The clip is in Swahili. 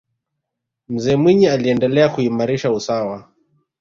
mzee mwinyi aliendelea kuimarisha usawa